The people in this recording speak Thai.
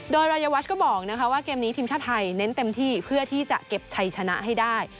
โดยรายวัชก็บอกว่าเกมนี้ทีมชาติไทยเน้นเต็มที่เพื่อที่จะเก็บชัยชนะให้ได้